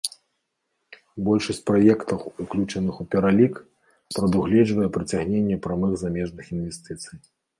Большасць праектаў, уключаных у пералік, прадугледжвае прыцягненне прамых замежных інвестыцый.